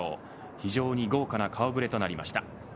非常に豪華な顔触れになりました。